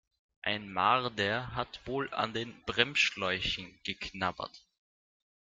Ein Marder hat wohl an den Bremsschläuchen geknabbert.